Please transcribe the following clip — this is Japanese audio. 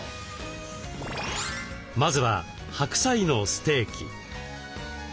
まずは白菜のステーキ。